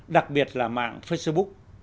đặc biệt là mạng facebook